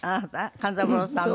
勘三郎さんの？